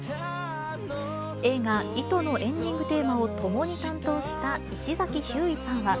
映画、糸のエンディングテーマを共に担当した石崎ひゅーいさんは。